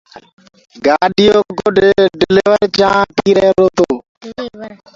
گآڏيو ڪوَ ڊليور چآنه پيٚ هيرو تو